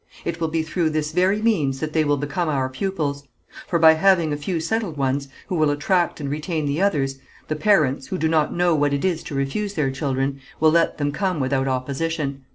It will be through this very means that they will become our pupils; for, by having a few settled ones, who will attract and retain the others, the parents, who do not know what it is to refuse their children, will let them come without opposition.